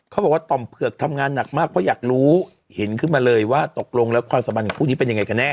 ต่อมเผือกทำงานหนักมากเพราะอยากรู้เห็นขึ้นมาเลยว่าตกลงแล้วความสัมพันธ์ของคู่นี้เป็นยังไงกันแน่